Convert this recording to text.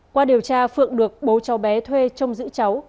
qua điều tra phượng được bố cháu bé thuê trông giữ cháu